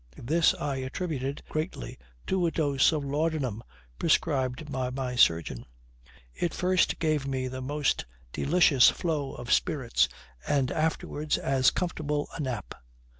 This I attributed greatly to a dose of laudanum prescribed by my surgeon. It first gave me the most delicious flow of spirits, and afterwards as comfortable a nap.